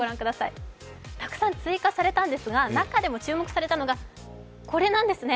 たくさん追加されたんですが、中でも注目されたのがこれなんですね。